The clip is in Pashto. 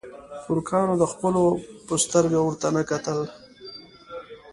ترکانو د خپلو په سترګه ورته نه کتل.